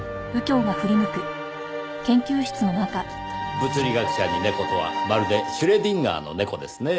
物理学者に猫とはまるでシュレディンガーの猫ですねぇ。